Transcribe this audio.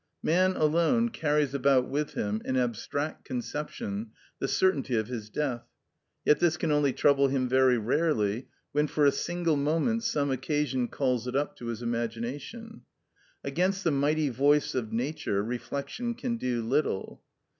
Man alone carries about with him, in abstract conceptions, the certainty of his death; yet this can only trouble him very rarely, when for a single moment some occasion calls it up to his imagination. Against the mighty voice of Nature reflection can do little.